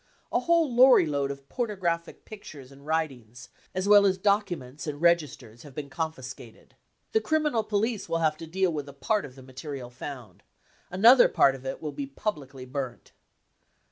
A whole lorry load of pornographic pictures and writings as well as documents and registers have been con fiscated. ... The criminal police will have to deal with a part of the material found ; another part of it will be publicly burnt.